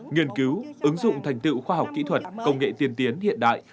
nghiên cứu ứng dụng thành tựu khoa học kỹ thuật công nghệ tiên tiến hiện đại